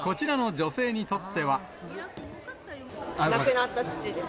亡くなった父です。